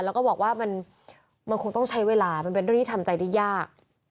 แล้วก็บอกว่ามันคงต้องใช้เวลามันเป็นเรื่องที่ทำใจได้ยาก